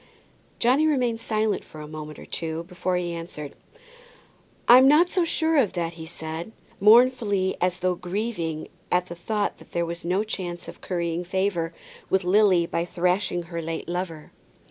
Johnny remained silent for a moment or two before he answered. "I'm not so sure of that," he said, mournfully, as though grieving at the thought that there was no chance of currying favour with Lily by thrashing her late lover.